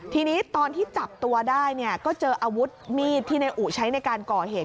ทีนี้ตอนที่จับตัวได้เนี่ยก็เจออาวุธมีดที่ในอุใช้ในการก่อเหตุ